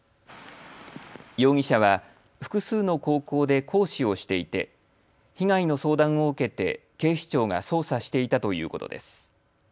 容疑者は複数の高校で講師をしていて被害の相談を受けて警視庁が捜査していたということです。